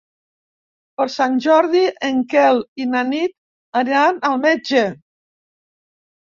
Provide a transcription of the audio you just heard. Per Sant Jordi en Quel i na Nit aniran al metge.